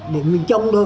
để mình chống đỡ